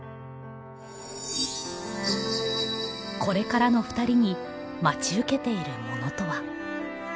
これからのふたりに待ち受けているものとは？